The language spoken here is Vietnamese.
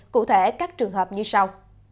cụ thể các trường hợp như sau